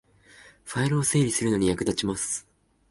ファイルを整理するのに役立ちます